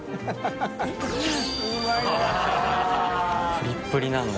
プリップリなんだ。